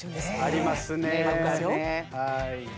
ありますねはい。